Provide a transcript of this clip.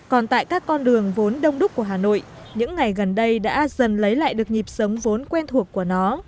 còn tại các con đường vốn đông đúc của hà nội những ngày gần đây đã dần lấy lại được nhịp sống vốn quen thuộc của nó